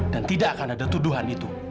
dan tidak akan ada tuduhan itu